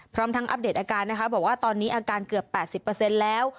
พร้อมทั้งอัปเดตอาการนะคะบอกว่าตอนนี้อาการเกือบ๘๐แล้ว